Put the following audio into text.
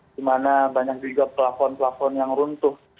dimana banyak juga pelafon pelafon yang runtuh